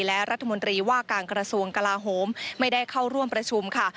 และรัฐมนตรีว่าการกระทรวงกลาโหมไม่ได้เข้าร่วมประชุมค่ะ